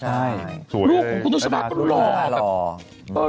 ลูกนุสบัตรก็หล่อ